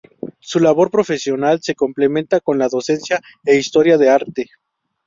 Su labor profesional se complementa con la docencia en Historia del Arte.